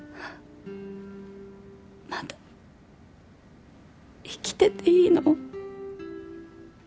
まだ生きてていいの？